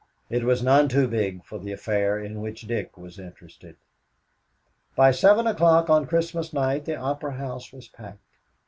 It was none too big for the affair in which Dick was interested. By seven o'clock of Christmas night, the Opera House was packed.